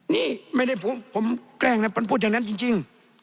นี่ไม่ได้ผมแกล้งนะมันพูดอย่างนั้นจริง